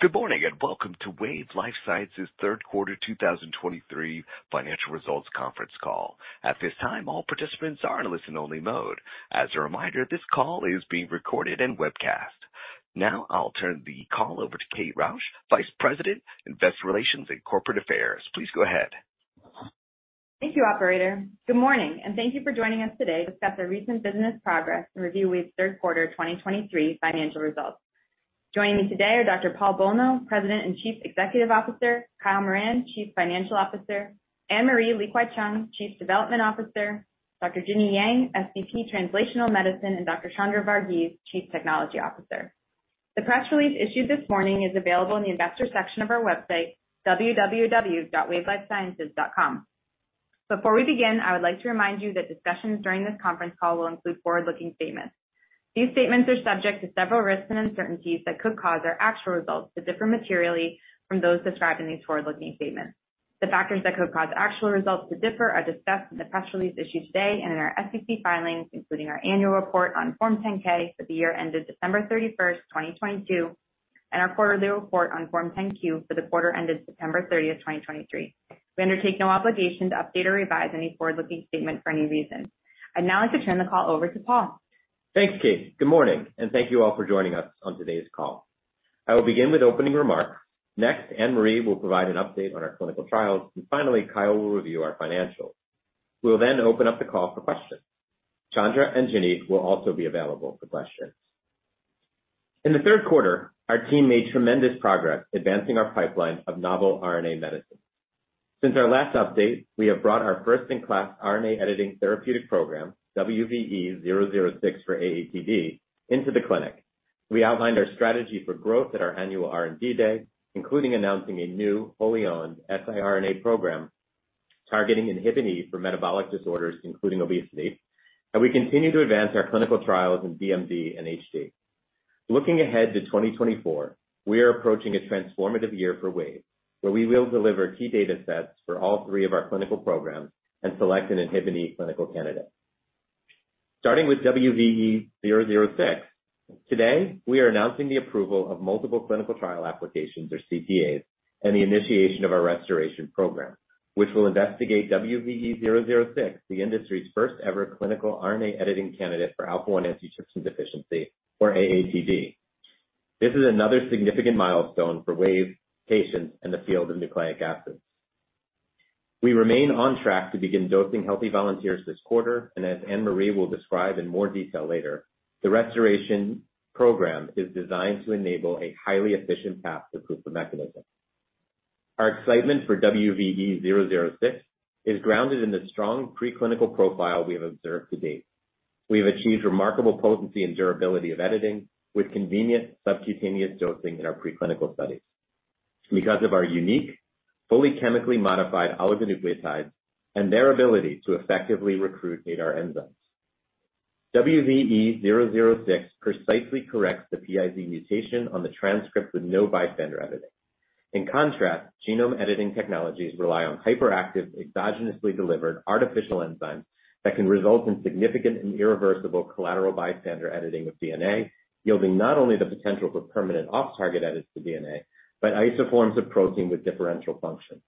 Good morning, and welcome to Wave Life Sciences' Q3 2023 financial results conference call. At this time, all participants are in listen-only mode. As a reminder, this call is being recorded and webcast. Now I'll turn the call over to Kate Rausch, Vice President, Investor Relations and Corporate Affairs. Please go ahead. Thank you, operator. Good morning, and thank you for joining us today to discuss our recent business progress and review Wave's Q3 2023 financial results. Joining me today are Dr. Paul Bolno, President and Chief Executive Officer, Kyle Moran, Chief Financial Officer, Anne-Marie Li-Kwai-Cheung, Chief Development Officer, Dr. Ginnie Yang, SVP Translational Medicine, and Dr. Chandra Vargeese, Chief Technology Officer. The press release issued this morning is available in the Investors section of our website, www.wavelifesciences.com. Before we begin, I would like to remind you that discussions during this conference call will include forward-looking statements. These statements are subject to several risks and uncertainties that could cause our actual results to differ materially from those described in these forward-looking statements. The factors that could cause actual results to differ are discussed in the press release issued today and in our SEC filings, including our annual report on Form 10-K for the year ended December 31, 2022, and our quarterly report on Form 10-Q for the quarter ended September 30, 2023. We undertake no obligation to update or revise any forward-looking statement for any reason. I'd now like to turn the call over to Paul. Thanks, Kate. Good morning, and thank you all for joining us on today's call. I will begin with opening remarks. Next, Anne-Marie will provide an update on our clinical trials, and finally, Kyle will review our financials. We will then open up the call for questions. Chandra and Ginnie will also be available for questions. In the Q3, our team made tremendous progress advancing our pipeline of novel RNA medicine. Since our last update, we have brought our first-in-class RNA editing therapeutic program, WVE-006 for AATD, into the clinic. We outlined our strategy for growth at our annual R&D Day, including announcing a new wholly-owned siRNA program targeting Inhibin βE for metabolic disorders, including obesity, and we continue to advance our clinical trials in DMD and HD. Looking ahead to 2024, we are approaching a transformative year for Wave, where we will deliver key data sets for all three of our clinical programs and select an Inhibin βE clinical candidate. Starting with WVE-006, today, we are announcing the approval of multiple Clinical Trial Applications, or CTAs, and the initiation of our RestorAATion program, which will investigate WVE-006, the industry's first-ever clinical RNA editing candidate for alpha-1 antitrypsin deficiency, or AATD. This is another significant milestone for Wave, patients, and the field of nucleic acids. We remain on track to begin dosing healthy volunteers this quarter, and as Anne-Marie will describe in more detail later, the RestorAATion program is designed to enable a highly efficient path to proof of mechanism. Our excitement for WVE-006 is grounded in the strong preclinical profile we have observed to date. We have achieved remarkable potency and durability of editing with convenient subcutaneous dosing in our preclinical studies because of our unique, fully chemically modified oligonucleotides and their ability to effectively recruit ADAR enzymes. WVE-006 precisely corrects the Pi*ZZ mutation on the transcript with no bystander editing. In contrast, genome editing technologies rely on hyperactive, exogenously delivered artificial enzymes that can result in significant and irreversible collateral bystander editing of DNA, yielding not only the potential for permanent off-target edits to DNA, but isoforms of protein with differential function.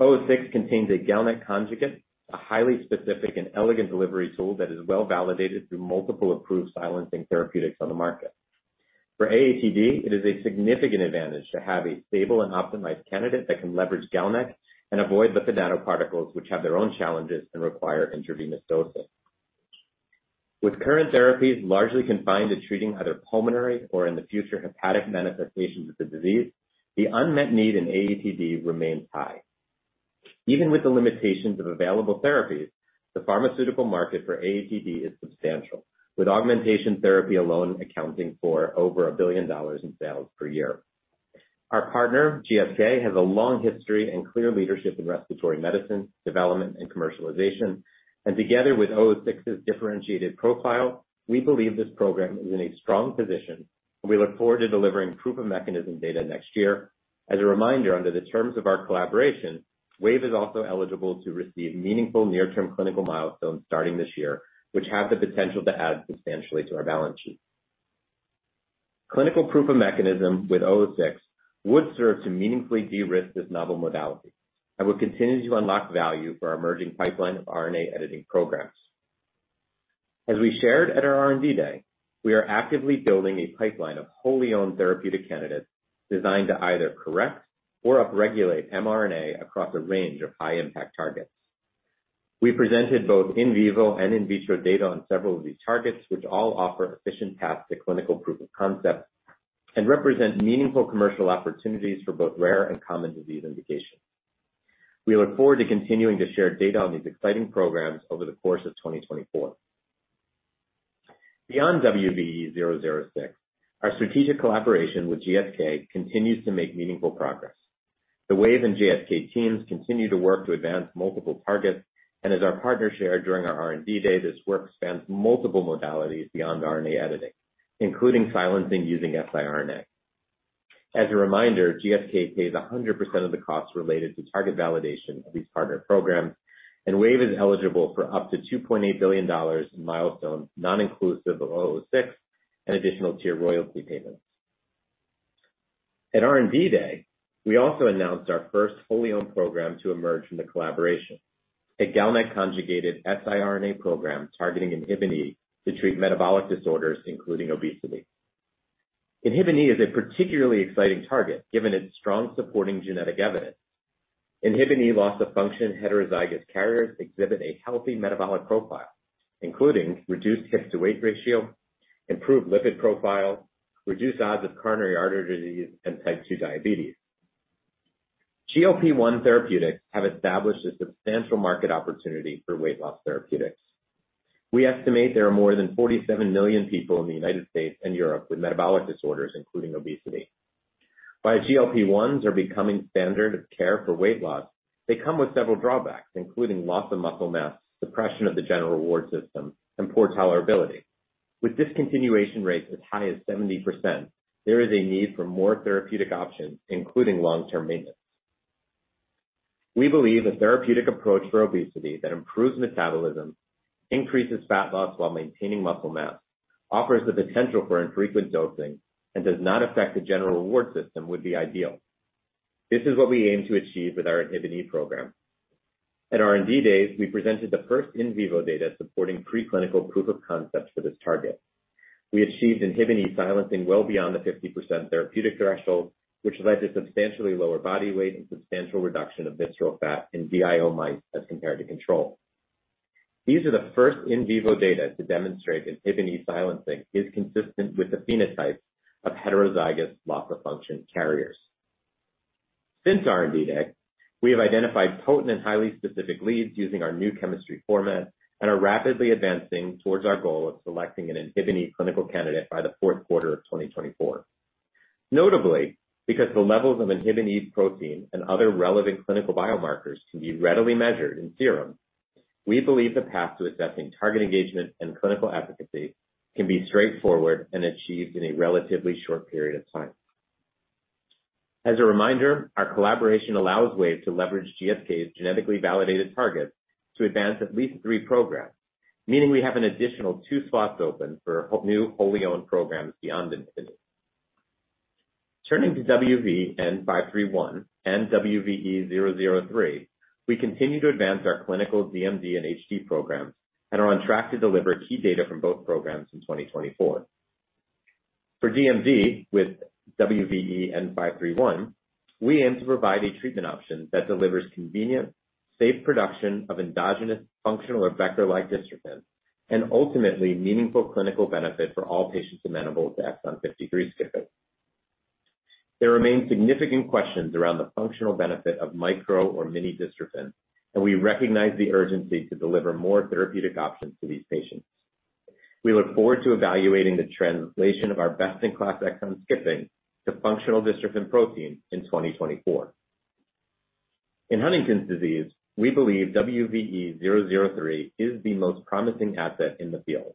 WVE-006 contains a GalNAc-conjugate, a highly specific and elegant delivery tool that is well-validated through multiple approved silencing therapeutics on the market. For AATD, it is a significant advantage to have a stable and optimized candidate that can leverage GalNAc and avoid the lipid nanoparticles, which have their own challenges and require intravenous dosing. With current therapies largely confined to treating either pulmonary or, in the future, hepatic manifestations of the disease, the unmet need in AATD remains high. Even with the limitations of available therapies, the pharmaceutical market for AATD is substantial, with augmentation therapy alone accounting for over $1 billion in sales per year. Our partner, GSK, has a long history and clear leadership in respiratory medicine, development, and commercialization, and together with WVE-006's differentiated profile, we believe this program is in a strong position, and we look forward to delivering proof-of-mechanism data next year. As a reminder, under the terms of our collaboration, Wave is also eligible to receive meaningful near-term clinical milestones starting this year, which has the potential to add substantially to our balance sheet. Clinical proof of mechanism with WVE-006 would serve to meaningfully de-risk this novel modality and will continue to unlock value for our emerging pipeline of RNA editing programs. As we shared at our R&D Day, we are actively building a pipeline of wholly owned therapeutic candidates designed to either correct or upregulate mRNA across a range of high-impact targets. We presented both in vivo and in vitro data on several of these targets, which all offer efficient paths to clinical proof of concept and represent meaningful commercial opportunities for both rare and common disease indications. We look forward to continuing to share data on these exciting programs over the course of 2024. Beyond WVE-006, our strategic collaboration with GSK continues to make meaningful progress. The Wave and GSK teams continue to work to advance multiple targets, and as our partner shared during our R&D Day, this work spans multiple modalities beyond RNA editing, including silencing using siRNA. As a reminder, GSK pays 100% of the costs related to target validation of these partner programs, and Wave is eligible for up to $2.8 billion in milestones, non-inclusive of 006, and additional tier royalty payments. At R&D Day, we also announced our first fully owned program to emerge from the collaboration, a GalNAc-conjugated siRNA program targeting Inhibin βE to treat metabolic disorders, including obesity. Inhibin βE is a particularly exciting target, given its strong supporting genetic evidence. Inhibin βE loss-of-function heterozygous carriers exhibit a healthy metabolic profile, including reduced hip-to-weight ratio, improved lipid profile, reduced odds of coronary artery disease, and Type 2 diabetes. GLP-1 therapeutics have established a substantial market opportunity for weight loss therapeutics. We estimate there are more than 47 million people in the United States and Europe with metabolic disorders, including obesity. While GLP-1s are becoming standard of care for weight loss, they come with several drawbacks, including loss of muscle mass, suppression of the general reward system, and poor tolerability. With discontinuation rates as high as 70%, there is a need for more therapeutic options, including long-term maintenance. We believe a therapeutic approach for obesity that improves metabolism, increases fat loss while maintaining muscle mass, offers the potential for infrequent dosing, and does not affect the general reward system, would be ideal. This is what we aim to achieve with our Inhibin βE program. At R&D Day, we presented the first in vivo data supporting preclinical proof of concept for this target. We achieved Inhibin βE silencing well beyond the 50% therapeutic threshold, which led to substantially lower body weight and substantial reduction of visceral fat in DIO mice as compared to control. These are the first in vivo data to demonstrate Inhibin βE silencing is consistent with the phenotypes of heterozygous loss-of-function carriers. Since R&D Day, we have identified potent and highly specific leads using our new chemistry format and are rapidly advancing towards our goal of selecting an Inhibin βE clinical candidate by the Q4 of 2024. Notably, because the levels of Inhibin βE protein and other relevant clinical biomarkers can be readily measured in serum, we believe the path to assessing target engagement and clinical efficacy can be straightforward and achieved in a relatively short period of time. As a reminder, our collaboration allows Wave to leverage GSK's genetically validated targets to advance at least three programs, meaning we have an additional two slots open for new wholly owned programs beyond Inhibin βE. Turning to WVE-N531 and WVE-003, we continue to advance our clinical DMD and HD programs, and are on track to deliver key data from both programs in 2024. For DMD, with WVE-N531, we aim to provide a treatment option that delivers convenient, safe production of endogenous functional or vector-like dystrophin, and ultimately, meaningful clinical benefit for all patients amenable to exon 53 skipping. There remain significant questions around the functional benefit of Micro or Mini-Dystrophin, and we recognize the urgency to deliver more therapeutic options to these patients. We look forward to evaluating the translation of our best-in-class exon skipping to functional Dystrophin protein in 2024. In Huntington's disease, we believe WVE-003 is the most promising asset in the field.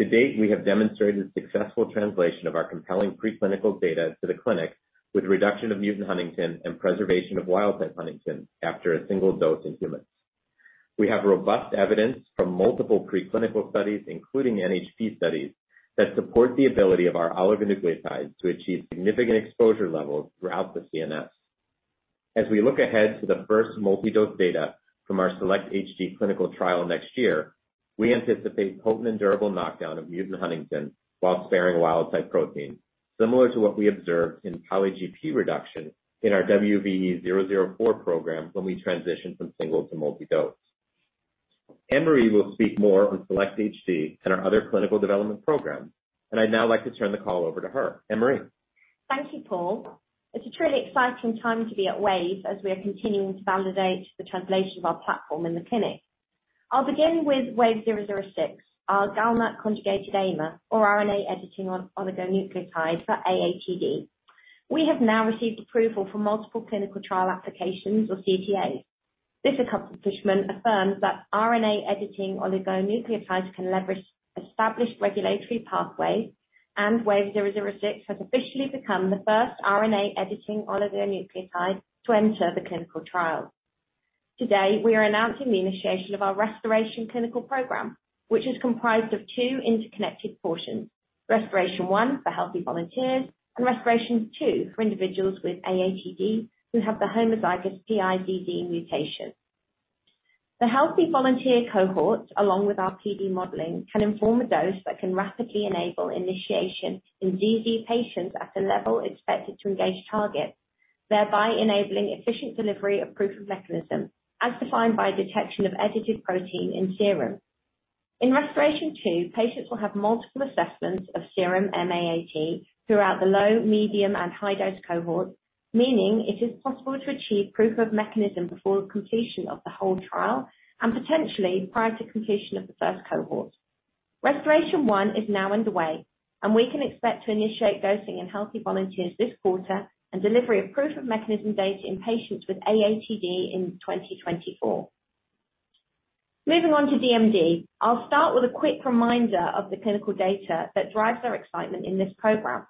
To date, we have demonstrated successful translation of our compelling preclinical data to the clinic, with reduction of mutant Huntingtin and preservation of wild-type Huntingtin after a single dose in humans. We have robust evidence from multiple preclinical studies, including NHP studies, that support the ability of our oligonucleotide to achieve significant exposure levels throughout the CNS. As we look ahead to the first multi-dose data from our SELECT-HD clinical trial next year, we anticipate potent and durable knockdown of mutant Huntingtin while sparing wild-type protein, similar to what we observed in poly(GP) reduction in our WVE-004 program when we transitioned from single to multi-dose. Anne-Marie will speak more on SELECT-HD and our other clinical development programs, and I'd now like to turn the call over to her. Anne-Marie? Thank you, Paul. It's a truly exciting time to be at Wave as we are continuing to validate the translation of our platform in the clinic. I'll begin with WVE-006, our GalNAc-conjugated AIMer, or RNA editing oligonucleotide for AATD. We have now received approval for multiple Clinical Trial Applications or CTAs. This accomplishment affirms that RNA editing oligonucleotides can leverage established regulatory pathways, and WVE-006 has officially become the first RNA editing oligonucleotide to enter the clinical trial. Today, we are announcing the initiation of our RestorAATion clinical program, which is comprised of two interconnected portions: RestorAATion-1 for healthy volunteers, and RestorAATion-2 for individuals with AATD who have the homozygous Pi*ZZ mutation. The healthy volunteer cohorts, along with our PD modeling, can inform a dose that can rapidly enable initiation in AATD patients at the level expected to engage target, thereby enabling efficient delivery of proof of mechanism, as defined by detection of edited protein in serum. In RestorAATion-2, patients will have multiple assessments of serum M-AAT throughout the low, medium, and high dose cohorts, meaning it is possible to achieve proof of mechanism before completion of the whole trial and potentially prior to completion of the first cohort. RestorAATion-1 is now underway, and we can expect to initiate dosing in healthy volunteers this quarter and delivery of proof of mechanism data in patients with AATD in 2024. Moving on to DMD. I'll start with a quick reminder of the clinical data that drives our excitement in this program.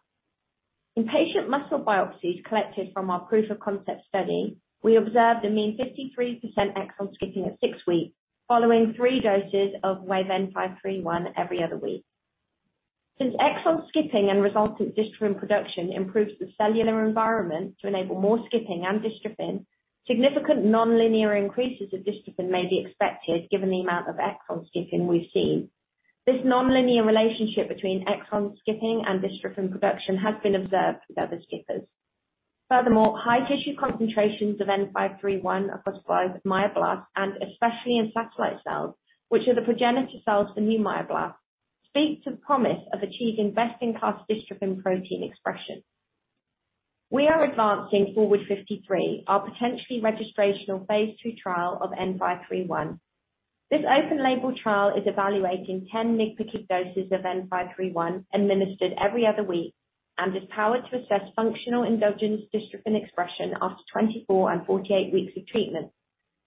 In patient muscle biopsies collected from our proof of concept study, we observed a mean 53% exon skipping at six weeks, following three doses of WVE-N531 every other week. Since exon skipping and resultant dystrophin production improves the cellular environment to enable more skipping and dystrophin, significant nonlinear increases of dystrophin may be expected, given the amount of exon skipping we've seen. This nonlinear relationship between exon skipping and dystrophin production has been observed with other skippers. Furthermore, high tissue concentrations of WVE-N531 across five myoblasts, and especially in satellite cells, which are the progenitor cells for new myoblasts, speaks to the promise of achieving best-in-class dystrophin protein expression. We are advancing FORWARD-53, our potentially registrational phase II trial of WVE-N531. This open-label trial is evaluating 10 milligram doses of N531, administered every other week, and is powered to assess functional endogenous dystrophin expression after 24 and 48 weeks of treatment,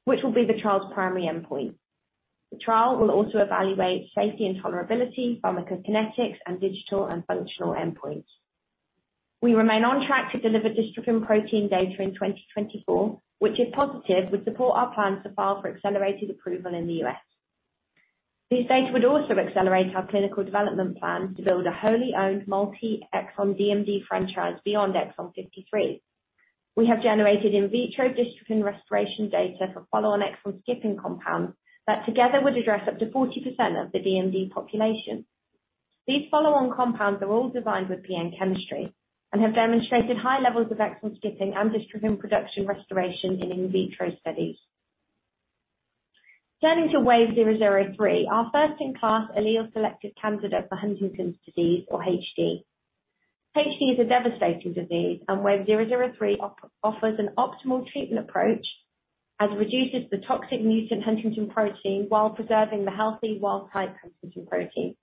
which will be the trial's primary endpoint. The trial will also evaluate safety and tolerability, pharmacokinetics, and digital and functional endpoints. We remain on track to deliver dystrophin protein data in 2024, which, if positive, would support our plans to file for accelerated approval in the U.S. These data would also accelerate our clinical development plan to build a wholly owned multi-exon DMD franchise beyond exon 53. We have generated in vitro dystrophin restoration data for follow-on exon skipping compounds that together would address up to 40% of the DMD population. These follow-on compounds are all designed with PN chemistry and have demonstrated high levels of exon skipping and dystrophin production restoration in in vitro studies. Turning to WVE-003, our first-in-class allele-selective candidate for Huntington's disease, or HD. HD is a devastating disease, and WVE-003 offers an optimal treatment approach, as it reduces the toxic mutant huntingtin protein while preserving the healthy, wild-type huntingtin protein.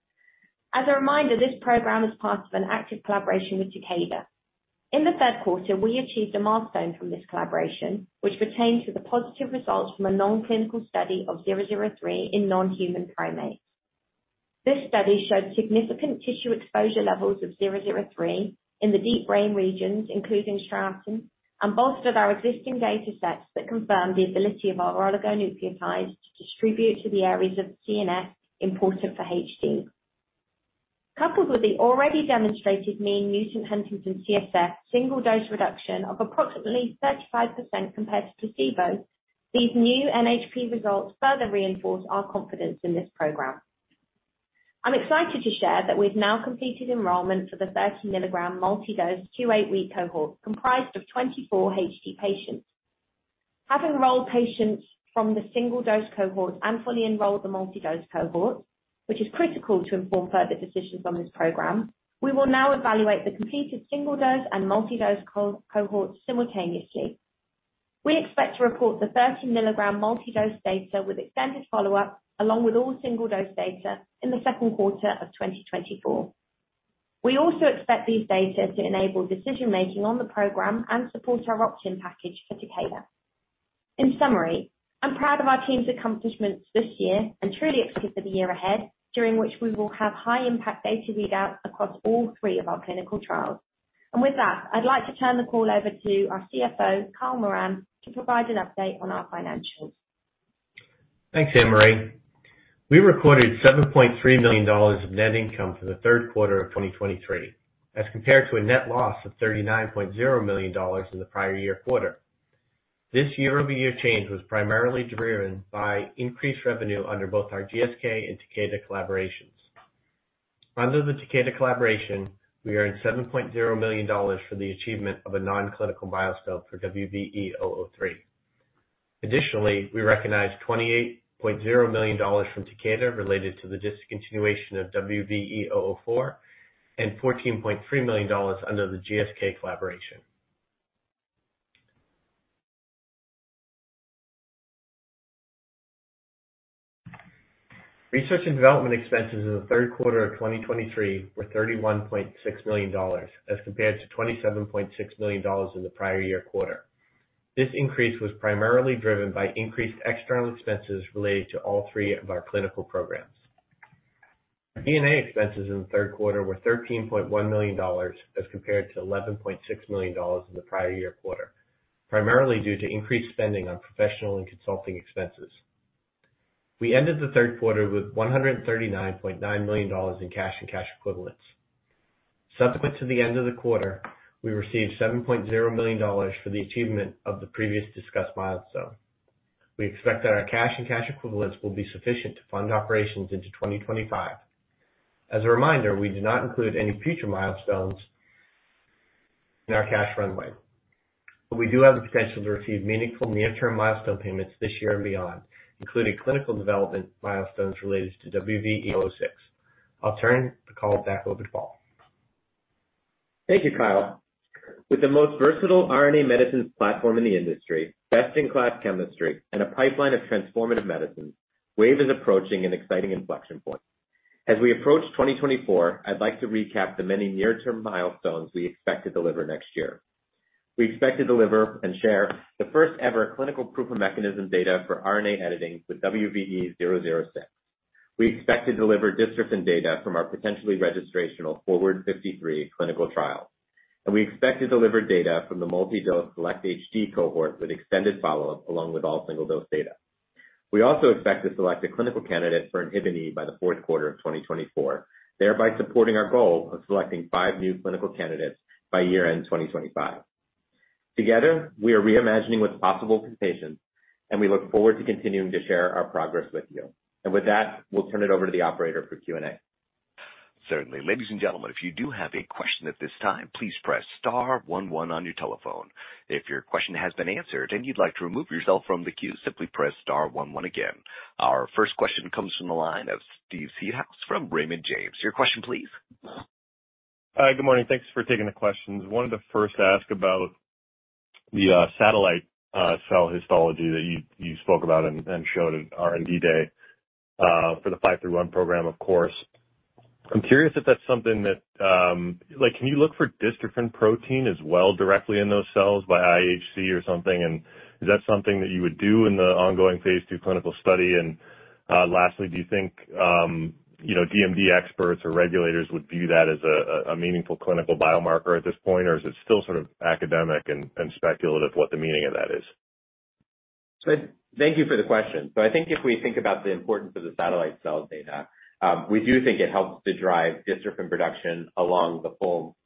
As a reminder, this program is part of an active collaboration with Takeda. In the Q3, we achieved a milestone from this collaboration, which pertains to the positive results from a non-clinical study of WVE-003 in non-human primates. This study showed significant tissue exposure levels of WVE-003 in the deep brain regions, including striatum, and bolstered our existing data sets that confirm the ability of our oligonucleotides to distribute to the areas of the CNS important for HD. Coupled with the already demonstrated mean mutant huntingtin CSF single-dose reduction of approximately 35% compared to placebo, these new NHP results further reinforce our confidence in this program. I'm excited to share that we've now completed enrollment for the 30-milligram multi-dose 2/8-week cohort, comprised of 24 HD patients. We have enrolled patients from the single-dose cohort and fully enrolled the multi-dose cohort, which is critical to inform further decisions on this program. We will now evaluate the completed single-dose and multi-dose cohort simultaneously. We expect to report the 30-milligram multi-dose data with extended follow-up, along with all single-dose data, in the Q2 of 2024. We also expect these data to enable decision-making on the program and support our option package for Takeda. In summary, I'm proud of our team's accomplishments this year and truly excited for the year ahead, during which we will have high-impact data readouts across all three of our clinical trials. With that, I'd like to turn the call over to our CFO, Kyle Moran, to provide an update on our financials. Thanks, Anne-Marie. We recorded $7.3 million of net income for the Q3 of 2023, as compared to a net loss of $39.0 million in the prior year quarter. This year-over-year change was primarily driven by increased revenue under both our GSK and Takeda collaborations. Under the Takeda collaboration, we earned $7.0 million for the achievement of a non-clinical milestone for WVE-003. Additionally, we recognized $28.0 million from Takeda, related to the discontinuation of WVE-004, and $14.3 million under the GSK collaboration. Research and development expenses in the Q3 of 2023 were $31.6 million, as compared to $27.6 million in the prior year quarter. This increase was primarily driven by increased external expenses related to all three of our clinical programs. G&A expenses in the Q3 were $13.1 million, as compared to $11.6 million in the prior year quarter, primarily due to increased spending on professional and consulting expenses. We ended the Q3 with $139.9 million in cash and cash equivalents. Subsequent to the end of the quarter, we received $7.0 million for the achievement of the previously discussed milestone. We expect that our cash and cash equivalents will be sufficient to fund operations into 2025. As a reminder, we do not include any future milestones in our cash runway, but we do have the potential to receive meaningful near-term milestone payments this year and beyond, including clinical development milestones related to WVE-006. I'll turn the call back over to Paul. Thank you, Kyle. With the most versatile RNA medicines platform in the industry, best-in-class chemistry, and a pipeline of transformative medicines, Wave is approaching an exciting inflection point. As we approach 2024, I'd like to recap the many near-term milestones we expect to deliver next year. ..We expect to deliver and share the first-ever clinical proof of mechanism data for RNA editing with WVE-006. We expect to deliver dystrophin data from our potentially registrational FORWARD-53 clinical trial, and we expect to deliver data from the multi-dose SELECT-HD cohort with extended follow-up, along with all single-dose data. We also expect to select a clinical candidate for Inhibin βE by the Q4 of 2024, thereby supporting our goal of selecting five new clinical candidates by year-end 2025. Together, we are reimagining what's possible for patients, and we look forward to continuing to share our progress with you. And with that, we'll turn it over to the operator for Q&A. Certainly. Ladies and gentlemen, if you do have a question at this time, please press star one one on your telephone. If your question has been answered and you'd like to remove yourself from the queue, simply press star one one again. Our first question comes from the line of Steve Seedhouse from Raymond James. Your question, please. Good morning. Thanks for taking the questions. I wanted to first ask about the satellite cell histology that you spoke about and showed at R&D Day for the 531 program, of course. I'm curious if that's something that, like, can you look for dystrophin protein as well directly in those cells by IHC or something, and is that something that you would do in the ongoing phase II clinical study? Lastly, do you think, you know, DMD experts or regulators would view that as a meaningful clinical biomarker at this point, or is it still sort of academic and speculative what the meaning of that is? So thank you for the question. So I think if we think about the importance of the satellite cell data, we do think it helps to drive dystrophin production along the whole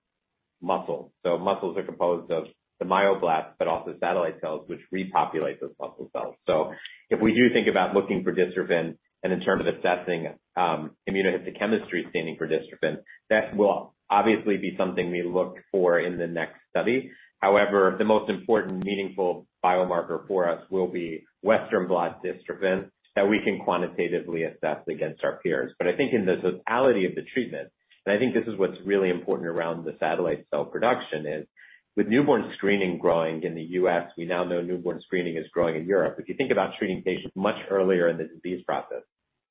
muscle. So muscles are composed of the myoblasts, but also satellite cells, which repopulate those muscle cells. So if we do think about looking for dystrophin and in terms of assessing, immunohistochemistry staining for dystrophin, that will obviously be something we look for in the next study. However, the most important meaningful biomarker for us will be Western blot dystrophin, that we can quantitatively assess against our peers. But I think in the totality of the treatment, and I think this is what's really important around the satellite cell production, is with newborn screening growing in the U.S., we now know newborn screening is growing in Europe. If you think about treating patients much earlier in the disease process,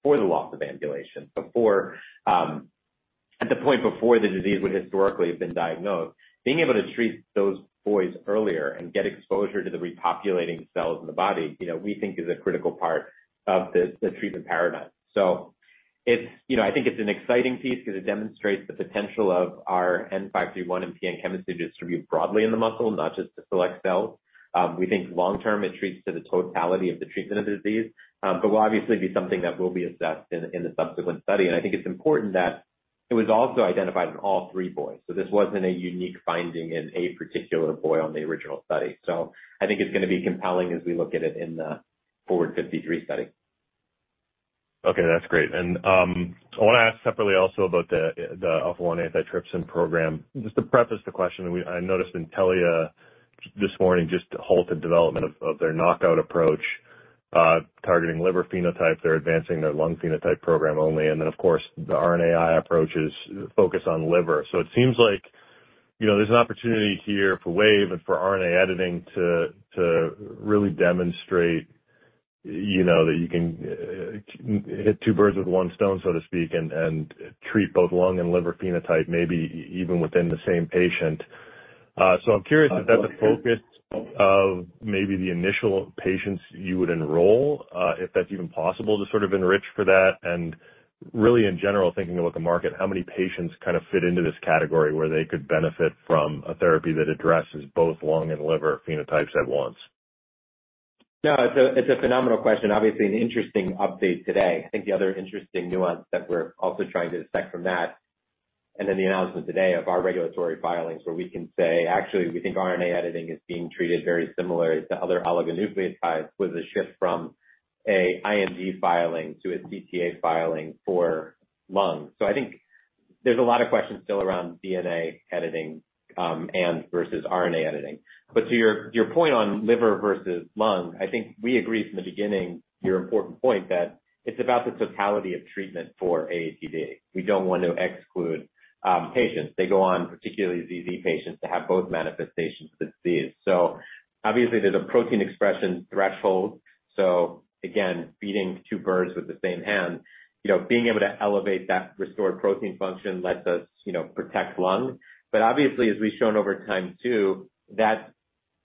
before the loss of ambulation, before, at the point before the disease would historically have been diagnosed, being able to treat those boys earlier and get exposure to the repopulating cells in the body, you know, we think is a critical part of the treatment paradigm. So it's. You know, I think it's an exciting piece because it demonstrates the potential of our N531 and PN chemistry distributed broadly in the muscle, not just the select cells. We think long term, it treats to the totality of the treatment of the disease, but will obviously be something that will be assessed in the subsequent study. I think it's important that it was also identified in all three boys. So this wasn't a unique finding in a particular boy on the original study. I think it's going to be compelling as we look at it in the FORWARD-53 study. Okay, that's great. And I want to ask separately also about the alpha-1 antitrypsin program. Just to preface the question, I noticed Intellia this morning just halted development of their knockout approach targeting liver phenotype. They're advancing their lung phenotype program only. And then, of course, the RNAi approach is focused on liver. So it seems like, you know, there's an opportunity here for Wave and for RNA editing to really demonstrate, you know, that you can hit two birds with one stone, so to speak, and treat both lung and liver phenotype, maybe even within the same patient. So I'm curious if that's the focus of maybe the initial patients you would enroll, if that's even possible, to sort of enrich for that. And really, in general, thinking about the market, how many patients kind of fit into this category where they could benefit from a therapy that addresses both lung and liver phenotypes at once? No, it's a phenomenal question. Obviously, an interesting update today. I think the other interesting nuance that we're also trying to dissect from that, and then the announcement today of our regulatory filings, where we can say, "Actually, we think RNA editing is being treated very similar to other oligonucleotides with a shift from a IND filing to a CTA filing for lung." So I think there's a lot of questions still around DNA editing, and versus RNA editing. But to your point on liver versus lung, I think we agreed from the beginning, your important point, that it's about the totality of treatment for AATD. We don't want to exclude, patients. They go on, particularly the Z patients, to have both manifestations of the disease. So obviously, there's a protein expression threshold. So again, feeding two birds with the same hand, you know, being able to elevate that restored protein function lets us, you know, protect lung. But obviously, as we've shown over time, too, that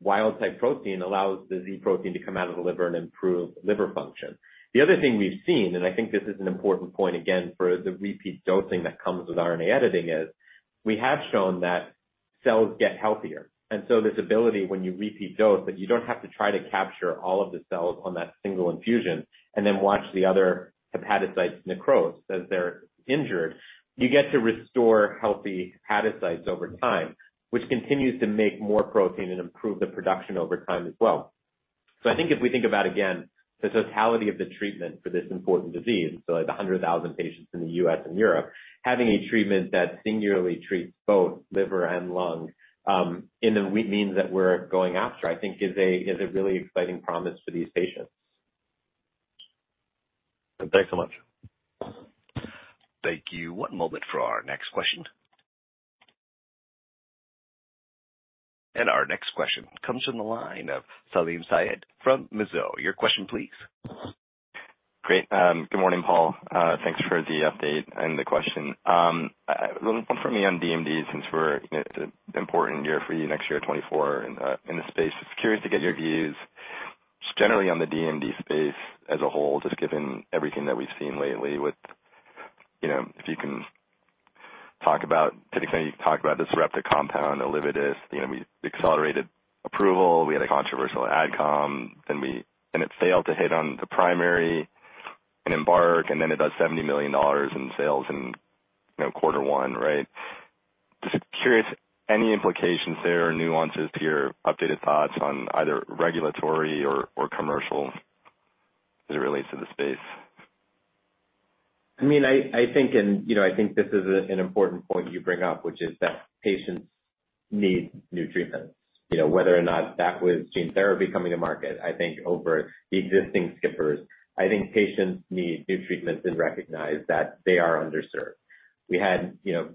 wild-type protein allows the Z protein to come out of the liver and improve liver function. The other thing we've seen, and I think this is an important point, again, for the repeat dosing that comes with RNA editing is, we have shown that cells get healthier. And so this ability, when you repeat dose, that you don't have to try to capture all of the cells on that single infusion and then watch the other hepatocytes necrose as they're injured. You get to restore healthy hepatocytes over time, which continues to make more protein and improve the production over time as well. So I think if we think about, again, the totality of the treatment for this important disease, so the 100,000 patients in the U.S. and Europe, having a treatment that singularly treats both liver and lung, in the means that we're going after, I think is a really exciting promise for these patients. Thanks so much. Thank you. One moment for our next question. Our next question comes from the line of Salim Syed from Mizuho. Your question, please. Great. Good morning, Paul. Thanks for the update and the question. One for me on DMD, since we're, you know, it's an important year for you, next year, 2024, in the space. Just curious to get your views just generally on the DMD space as a whole, just given everything that we've seen lately with, you know, if you can talk about, to the extent you can talk about this Sarepta compound, Elevidys. You know, we accelerated approval, we had a controversial AdCom, then, and it failed to hit on the primary in EMBARK, and then it does $70 million in sales in, you know, quarter one, right? Just curious, any implications there or nuances to your updated thoughts on either regulatory or commercial as it relates to the space? I mean, I think, you know, I think this is an important point you bring up, which is that patients need new treatments. You know, whether or not that was gene therapy coming to market, I think over the existing skippers, I think patients need new treatments and recognize that they are underserved. We had, you know,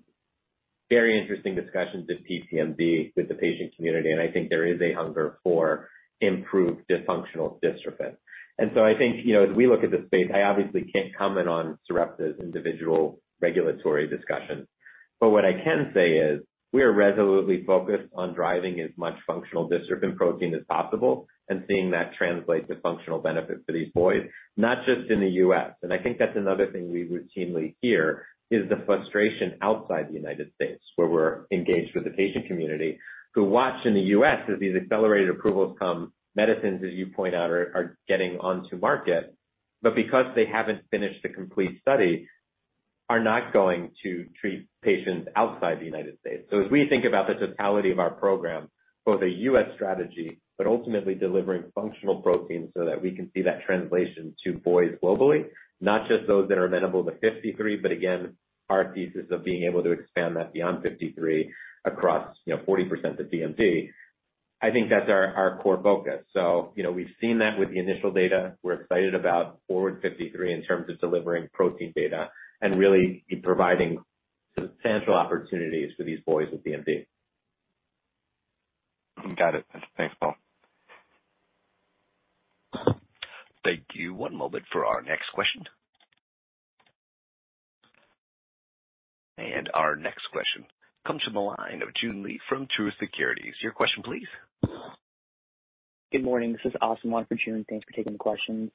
very interesting discussions at PPMD with the patient community, and I think there is a hunger for improved functional Dystrophin. And so I think, you know, as we look at the space, I obviously can't comment on Sarepta's individual regulatory discussions. But what I can say is we are resolutely focused on driving as much functional Dystrophin protein as possible and seeing that translate to functional benefit for these boys, not just in the U.S. I think that's another thing we routinely hear is the frustration outside the United States, where we're engaged with the patient community, who watch in the U.S. as these accelerated approvals come, medicines, as you point out, are getting onto market, but because they haven't finished the complete study, are not going to treat patients outside the United States. So as we think about the totality of our program, both a U.S. strategy, but ultimately delivering functional protein so that we can see that translation to boys globally, not just those that are amenable to 53, but again, our thesis of being able to expand that beyond 53 across, you know, 40% of DMD, I think that's our core focus. So, you know, we've seen that with the initial data. We're excited about FORWARD-53 in terms of delivering protein data and really providing substantial opportunities for these boys with DMD. Got it. Thanks, Paul. Thank you. One moment for our next question. Our next question comes from the line of Joon Lee from Truist Securities. Your question, please. Good morning. This is Austin from Jefferies. Thanks for taking the questions.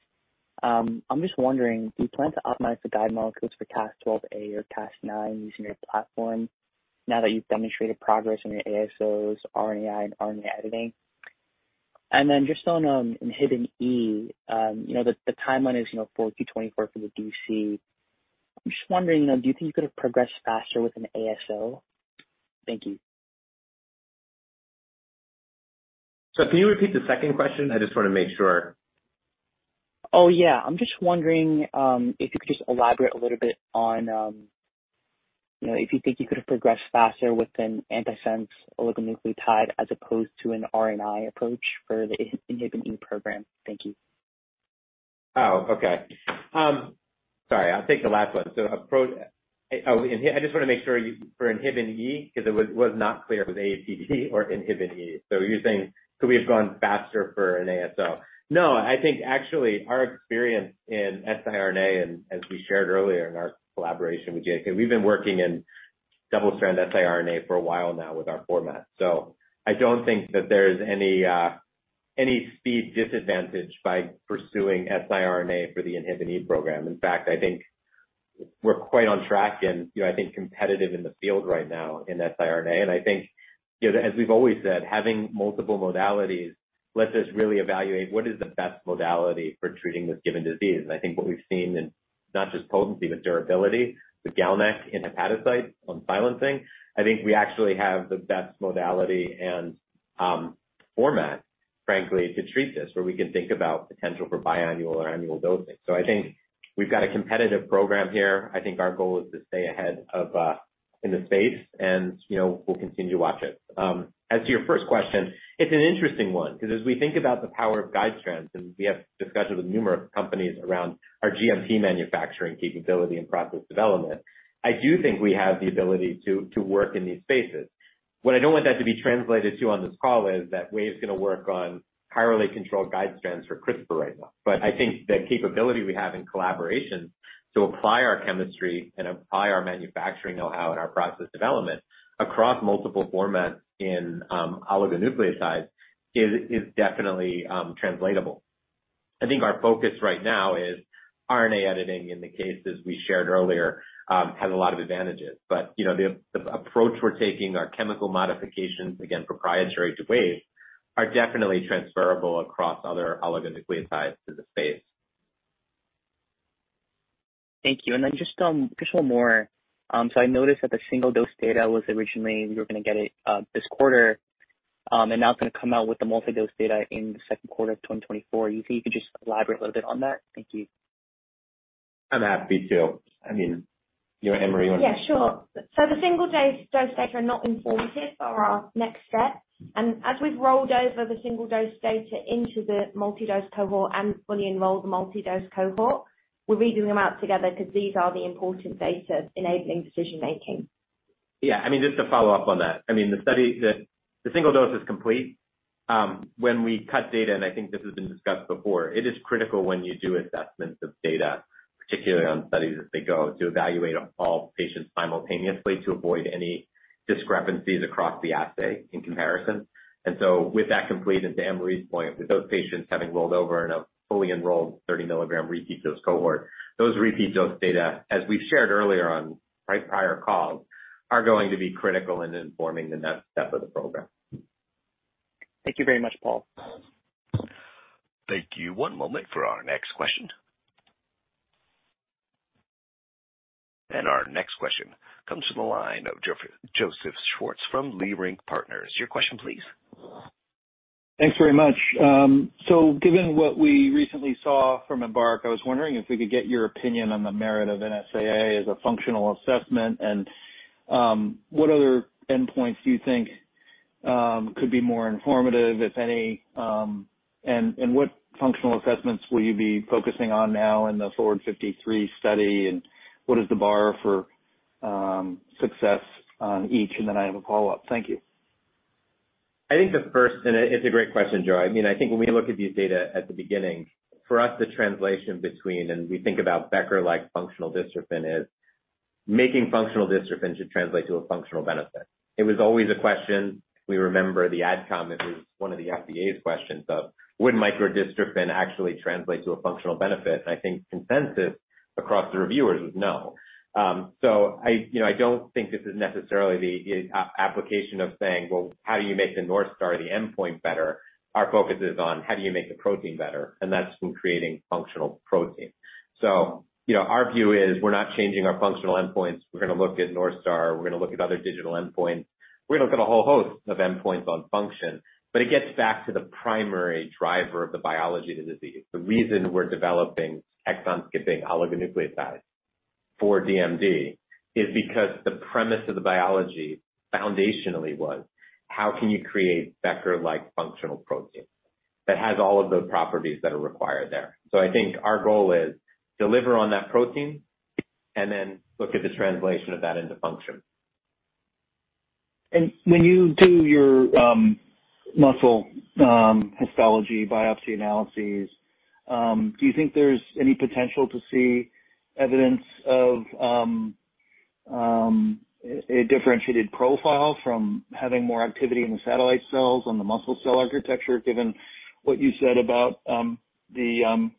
I'm just wondering, do you plan to optimize the guide molecules for Cas12a or Cas9 using your platform now that you've demonstrated progress on your ASOs, RNAi and RNA editing? And then just on Inhibin βE, you know, the timeline is, you know, for Q4 2024 for the DC. I'm just wondering, you know, do you think you could have progressed faster with an ASO? Thank you. Can you repeat the second question? I just want to make sure. Oh, yeah. I'm just wondering, if you could just elaborate a little bit on, you know, if you think you could have progressed faster with an antisense oligonucleotide as opposed to an RNAi approach for the Inhibin βE program. Thank you. Oh, okay. Sorry, I'll take the last one. So I just want to make sure you, for Inhibin βE, because it was not clear it was AATD or Inhibin βE. So you're saying, could we have gone faster for an ASO? No, I think actually our experience in siRNA, and as we shared earlier in our collaboration with GSK, we've been working in double-strand siRNA for a while now with our format. So I don't think that there is any speed disadvantage by pursuing siRNA for the Inhibin βE program. In fact, I think we're quite on track and, you know, I think competitive in the field right now in siRNA. And I think, you know, as we've always said, having multiple modalities lets us really evaluate what is the best modality for treating this given disease. I think what we've seen in not just potency, but durability, the GalNAc in hepatocyte on silencing, I think we actually have the best modality and, format, frankly, to treat this, where we can think about potential for biannual or annual dosing. I think we've got a competitive program here. I think our goal is to stay ahead of in the space, and, you know, we'll continue to watch it. As to your first question, it's an interesting one, because as we think about the power of guide strands, and we have discussions with numerous companies around our GMP manufacturing capability and process development, I do think we have the ability to work in these spaces. What I don't want that to be translated to on this call is that Wave's going to work on highly controlled guide strands for CRISPR right now. But I think the capability we have in collaborations to apply our chemistry and apply our manufacturing know-how and our process development across multiple formats in oligonucleotides is definitely translatable. I think our focus right now is RNA editing, in the cases we shared earlier, has a lot of advantages. But, you know, the approach we're taking, our chemical modifications, again, proprietary to Wave, are definitely transferable across other oligonucleotides to the space. Thank you. And then just, just one more. So I noticed that the single-dose data was originally, you were going to get it, this quarter, and now it's going to come out with the multi-dose data in the Q2 of 2024. You see, you could just elaborate a little bit on that. Thank you. I'm happy to. I mean, you and Anne-Marie want to- Yeah, sure. So the single dose, dose data are not informative for our next step. And as we've rolled over the single-dose data into the multi-dose cohort and fully enrolled multi-dose cohort, we're reading them out together because these are the important data enabling decision-making. Yeah, I mean, just to follow up on that, I mean, the study, the single dose is complete. When we cut data, and I think this has been discussed before, it is critical when you do assessments of data, particularly on studies as they go, to evaluate all patients simultaneously to avoid any discrepancies across the assay in comparison. And so with that completed, and to Anne-Marie's point, with those patients having rolled over in a fully enrolled 30 milligram repeat dose cohort, those repeat dose data, as we've shared earlier on prior calls, are going to be critical in informing the next step of the program. Thank you very much, Paul. Thank you. One moment for our next question. Our next question comes from the line of Joseph Schwartz from Leerink Partners. Your question, please. Thanks very much. So given what we recently saw from EMBARK, I was wondering if we could get your opinion on the merit of NSAA as a functional assessment, and what other endpoints do you think could be more informative, if any, and what functional assessments will you be focusing on now in the FORWARD-53 study, and what is the bar for success on each? And then I have a follow-up. Thank you. I think the first, and it's a great question, Joe. I mean, I think when we look at these data at the beginning, for us, the translation between, and we think about Becker-like functional Dystrophin, is making functional Dystrophin should translate to a functional benefit. It was always a question. We remember the ad comm. It was one of the FDA's questions of: would microdystrophin actually translate to a functional benefit? And I think consensus across the reviewers was no. So I, you know, I don't think this is necessarily the application of saying, "Well, how do you make the North Star or the endpoint better?" Our focus is on how do you make the protein better, and that's through creating functional protein. So, you know, our view is we're not changing our functional endpoints. We're going to look at North Star, we're going to look at other digital endpoints. We're going to look at a whole host of endpoints on function, but it gets back to the primary driver of the biology of the disease. The reason we're developing exon-skipping oligonucleotides for DMD is because the premise of the biology foundationally was, how can you create Becker-like functional protein that has all of the properties that are required there? So I think our goal is deliver on that protein and then look at the translation of that into function. When you do your muscle histology biopsy analyses, do you think there's any potential to see evidence of a differentiated profile from having more activity in the satellite cells on the muscle cell architecture, given what you said about the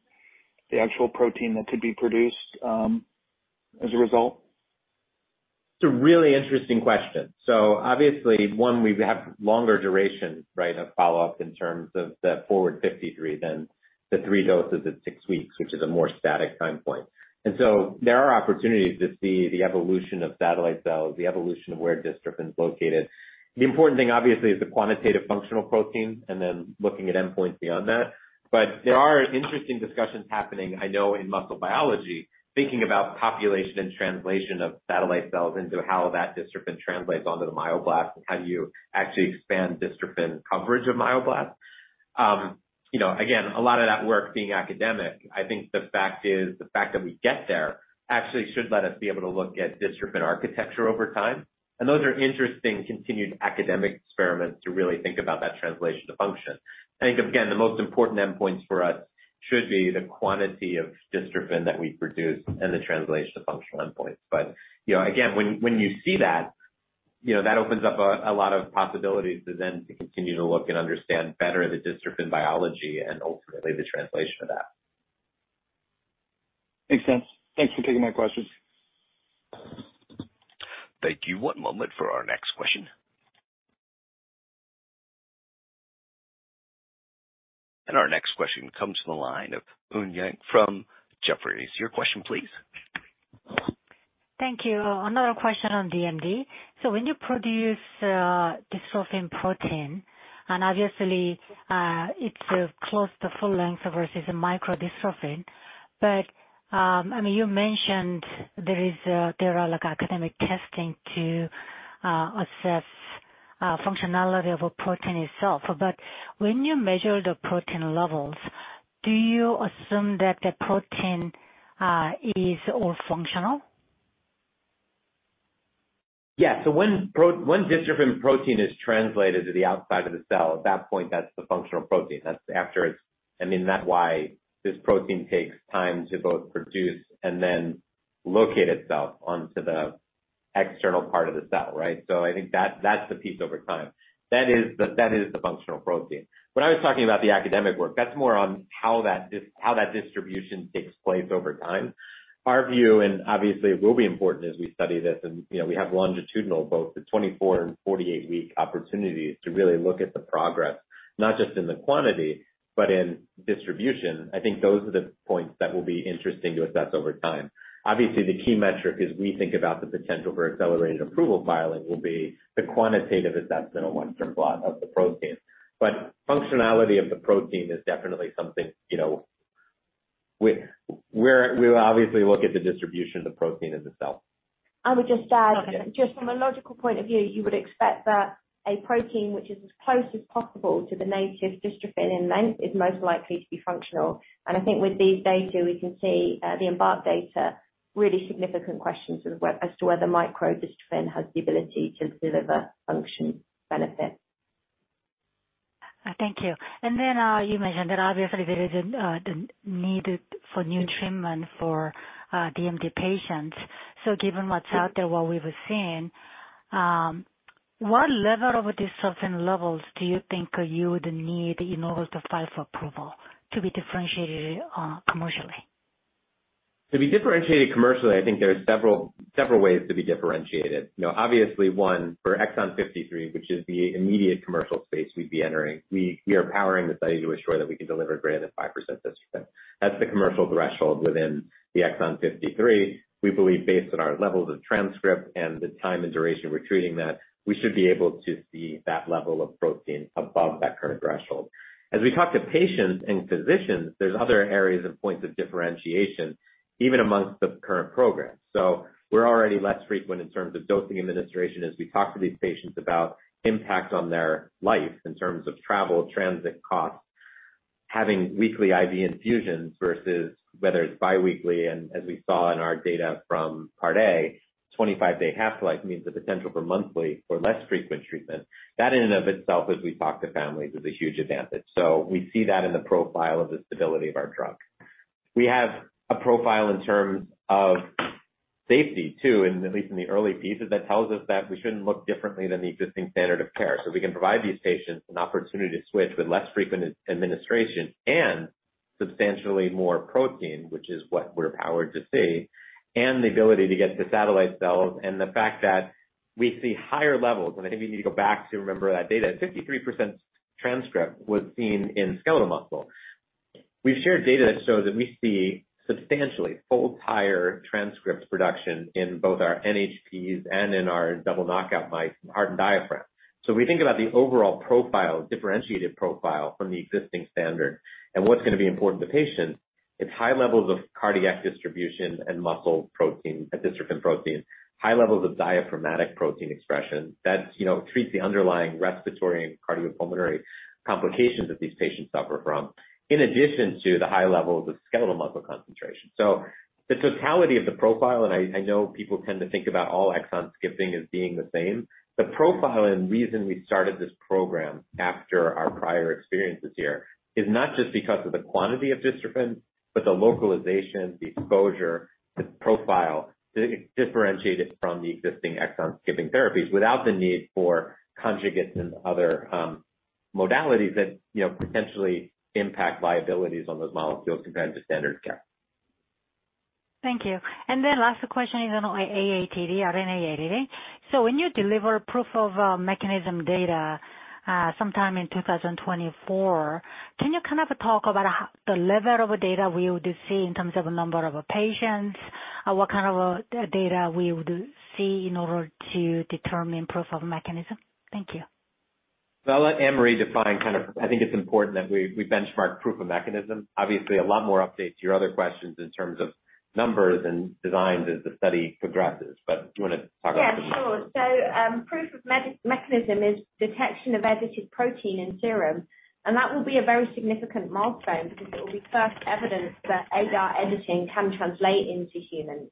actual protein that could be produced as a result? It's a really interesting question. So obviously, one, we have longer duration, right, of follow-up in terms of the FORWARD-53 than the three doses at six weeks, which is a more static time point. And so there are opportunities to see the evolution of satellite cells, the evolution of where dystrophin is located. The important thing, obviously, is the quantitative functional protein and then looking at endpoints beyond that. But there are interesting discussions happening, I know, in muscle biology, thinking about population and translation of satellite cells into how that dystrophin translates onto the myoblast, and how do you actually expand dystrophin coverage of myoblast. You know, again, a lot of that work being academic, I think the fact is, the fact that we get there actually should let us be able to look at Dystrophin architecture over time, and those are interesting continued academic experiments to really think about that translation to function. I think, again, the most important endpoints for us should be the quantity of Dystrophin that we produce and the translation to functional endpoints. But, you know, again, when you see that, you know, that opens up a lot of possibilities to then to continue to look and understand better the Dystrophin biology and ultimately the translation of that. Makes sense. Thanks for taking my questions. Thank you. One moment for our next question. Our next question comes from the line of Eun Yang from Jefferies. Your question, please. Thank you. Another question on DMD. So when you produce dystrophin protein, and obviously, it's close to full length versus a microdystrophin. But, I mean, you mentioned there are, like, academic testing to assess functionality of a protein itself. But when you measure the protein levels, do you assume that the protein is all functional? Yeah. So when dystrophin protein is translated to the outside of the cell, at that point, that's the functional protein. That's after it's, I mean, that's why this protein takes time to both produce and then locate itself onto the external part of the cell, right? So I think that's, that's the piece over time. That is the, that is the functional protein. When I was talking about the academic work, that's more on how that distribution takes place over time. Our view, and obviously it will be important as we study this, and, you know, we have longitudinal, both the 24- and 48-week opportunities to really look at the progress, not just in the quantity, but in distribution. I think those are the points that will be interesting to assess over time. Obviously, the key metric as we think about the potential for accelerated approval filing will be the quantitative assessment on M-AAT of the protein. But functionality of the protein is definitely something, you know, we will obviously look at the distribution of the protein in the cell. I would just add, just from a logical point of view, you would expect that a protein which is as close as possible to the native Dystrophin in length, is most likely to be functional. And I think with these data, we can see, the EMBARK data, really significant questions as well as to whether microdystrophin has the ability to deliver function benefit. Thank you. And then, you mentioned that obviously there is, the need for new treatment for, DMD patients. So given what's out there, what we were seeing, what level of Dystrophin levels do you think you would need in order to file for approval to be differentiated, commercially? To be differentiated commercially, I think there are several, several ways to be differentiated. You know, obviously, one, for exon 53, which is the immediate commercial space we'd be entering, we, we are powering the study to ensure that we can deliver greater than 5% dystrophin. That's the commercial threshold within the exon 53. We believe, based on our levels of transcript and the time and duration we're treating that, we should be able to see that level of protein above that current threshold. As we talk to patients and physicians, there's other areas and points of differentiation, even amongst the current programs. So we're already less frequent in terms of dosing administration as we talk to these patients about impact on their life in terms of travel, transit costs. Having weekly IV infusions versus whether it's biweekly, and as we saw in our data from Part A, 25-day half-life means the potential for monthly or less frequent treatment. That in and of itself, as we talk to families, is a huge advantage. So we see that in the profile of the stability of our drug. We have a profile in terms of safety, too, and at least in the early pieces, that tells us that we shouldn't look differently than the existing standard of care. So we can provide these patients an opportunity to switch with less frequent administration and substantially more protein, which is what we're powered to see, and the ability to get to satellite cells and the fact that we see higher levels. And I think we need to go back to remember that data. 53% transcript was seen in skeletal muscle. We've shared data that shows that we see substantially full, higher transcript production in both our NHPs and in our double knockout mice, heart, and diaphragm. So we think about the overall profile, differentiated profile from the existing standard and what's going to be important to patients. It's high levels of cardiac distribution and muscle protein, a dystrophin protein, high levels of diaphragmatic protein expression. That, you know, treats the underlying respiratory and cardiopulmonary complications that these patients suffer from, in addition to the high levels of skeletal muscle concentration. So the totality of the profile, and I, I know people tend to think about all exon skipping as being the same. The profile and reason we started this program after our prior experiences here is not just because of the quantity of Dystrophin, but the localization, the exposure, the profile, differentiated from the existing exon skipping therapies without the need for conjugates and other modalities that, you know, potentially impact viabilities on those molecules compared to standard of care. Thank you. And then last question is on AATD, RestorAATion. So when you deliver proof of mechanism data, sometime in 2024, can you kind of talk about how- the level of data we would see in terms of number of patients? What kind of data we would see in order to determine proof of mechanism? Thank you. So I'll let Anne-Marie define kind of, I think it's important that we benchmark proof of mechanism. Obviously, a lot more updates to your other questions in terms of numbers and designs as the study progresses. But do you want to talk about that? Yeah, sure. Proof of mechanism is detection of edited protein in serum, and that will be a very significant milestone because it will be first evidence that ADAR editing can translate into humans.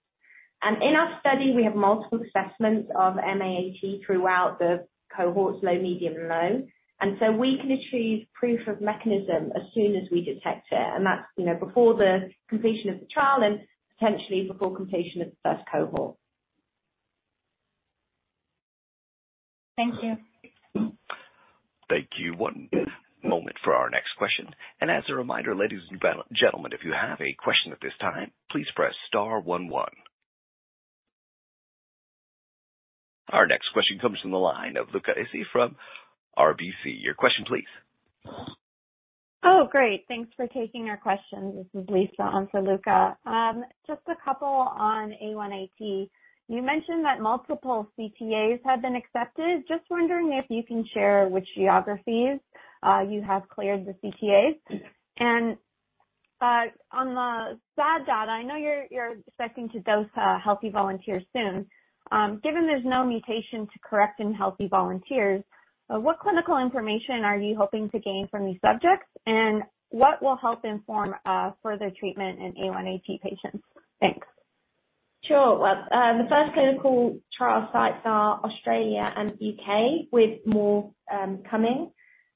In our study, we have multiple assessments of M-AAT throughout the cohorts, low, medium, and low. We can achieve proof of mechanism as soon as we detect it, and that's, you know, before the completion of the trial and potentially before completion of the first cohort. Thank you. Thank you. One moment for our next question. As a reminder, ladies and gentlemen, if you have a question at this time, please press star one one. Our next question comes from the line of Luca Issi from RBC. Your question, please. Oh, great. Thanks for taking our questions. This is Lisa, on for Luca. Just a couple on A1AT. You mentioned that multiple CTAs have been accepted. Just wondering if you can share which geographies you have cleared the CTAs. And, on the SAD data, I know you're expecting to dose healthy volunteers soon. Given there's no mutation to correct in healthy volunteers, what clinical information are you hoping to gain from these subjects, and what will help inform further treatment in A1AT patients? Thanks. Sure. Well, the first clinical trial sites are Australia and U.K., with more coming.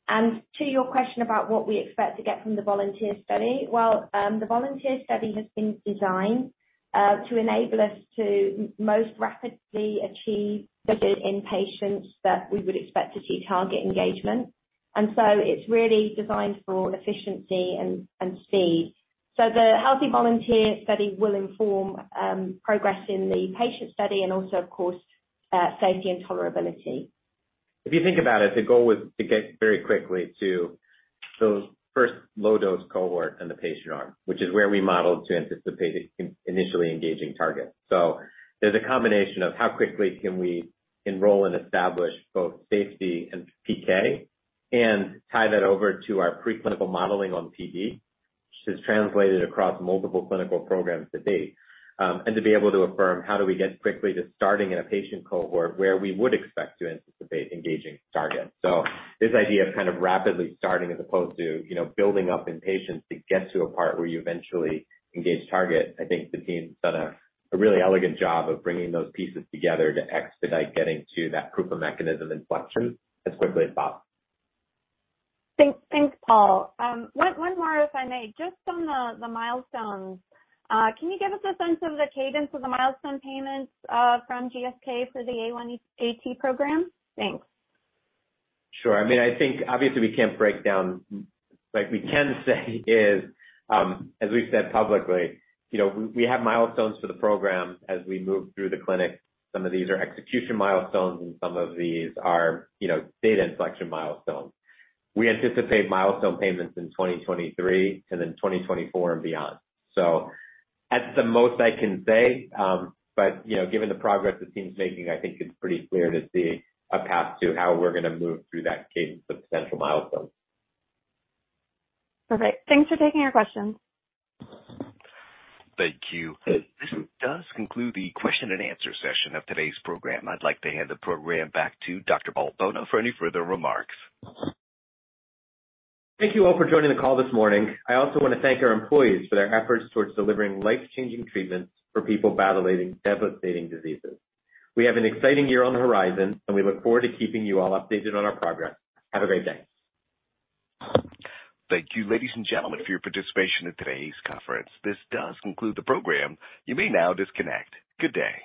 And to your question about what we expect to get from the volunteer study. Well, the volunteer study has been designed to enable us to most rapidly achieve the endpoints that we would expect to see target engagement. And so it's really designed for efficiency and speed. So the healthy volunteer study will inform progress in the patient study and also, of course, safety and tolerability. If you think about it, the goal was to get very quickly to those first low-dose cohort in the patient arm, which is where we modeled to anticipate initially engaging targets. So there's a combination of how quickly can we enroll and establish both safety and PK, and tie that over to our preclinical modeling on PD, which has translated across multiple clinical programs to date. And to be able to affirm how do we get quickly to starting in a patient cohort where we would expect to anticipate engaging targets. So this idea of kind of rapidly starting as opposed to, you know, building up in patients to get to a part where you eventually engage target, I think the team's done a really elegant job of bringing those pieces together to expedite getting to that proof of mechanism inflection as quickly as possible. Thanks. Thanks, Paul. One more, if I may. Just on the milestones, can you give us a sense of the cadence of the milestone payments from GSK for the AAT program? Thanks. Sure. I mean, I think obviously we can't break down as we've said publicly, you know, we, we have milestones for the program as we move through the clinic. Some of these are execution milestones, and some of these are, you know, data inflection milestones. We anticipate milestone payments in 2023 and then 2024 and beyond. So that's the most I can say. But, you know, given the progress the team's making, I think it's pretty clear to see a path to how we're going to move through that cadence of potential milestones. Perfect. Thanks for taking our questions. Thank you. This does conclude the question-and-answer session of today's program. I'd like to hand the program back to Dr. Bolno for any further remarks. Thank you all for joining the call this morning. I also want to thank our employees for their efforts towards delivering life-changing treatments for people battling devastating diseases. We have an exciting year on the horizon, and we look forward to keeping you all updated on our progress. Have a great day. Thank you, ladies and gentlemen, for your participation in today's conference. This does conclude the program. You may now disconnect. Good day.